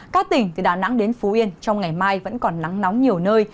các tỉnh từ đà nẵng đến phú yên trong ngày mai vẫn còn nắng nóng nhiều nơi